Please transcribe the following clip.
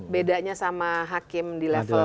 bedanya sama hakim di level